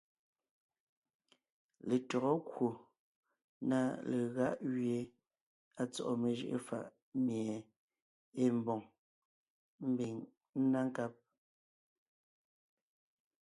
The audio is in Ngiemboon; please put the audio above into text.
Letÿɔgɔ kwò na legáʼ gẅie à tsɔ́ʼɔ mejʉʼʉ fàʼ mie ée mbòŋ, ḿbiŋ ńná nkáb,